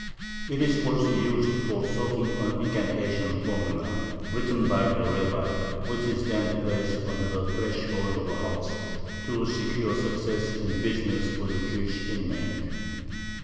It is also used for soaking an incantation formula written by the rabbi, which is then placed under the threshold of a house, to secure success in business for the Jewish inmate.